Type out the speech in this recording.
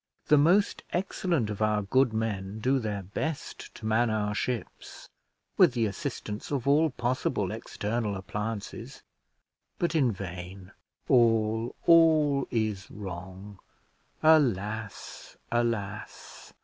The most excellent of our good men do their best to man our ships, with the assistance of all possible external appliances; but in vain. All, all is wrong alas! alas!